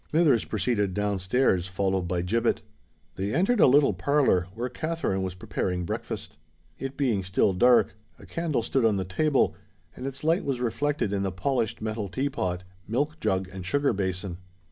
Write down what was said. Smithers proceeded down stairs, followed by Gibbet. They entered a little parlour, where Katherine was preparing breakfast. It being still dark, a candle stood on the table; and its light was reflected in the polished metal tea pot, milk jug, and sugar basin.